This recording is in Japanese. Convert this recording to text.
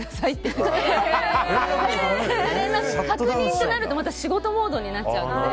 その確認ってなるとまた仕事モードになっちゃうので。